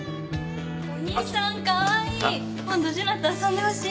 お兄さんかわいい！